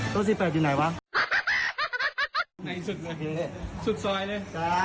ที่สุดซอยเลย